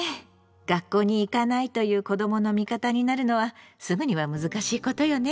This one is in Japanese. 学校に行かないという子どもの味方になるのはすぐには難しいことよね。